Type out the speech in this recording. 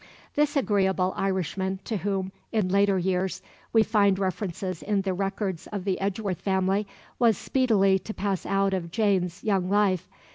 This agreeable Irishman, to whom, in later years, we find references in the records of the Edgeworth family, was speedily to pass out of Jane's young life.